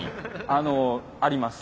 あのあります。